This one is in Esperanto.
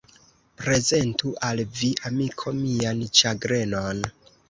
Prezentu al vi, amiko, mian ĉagrenon!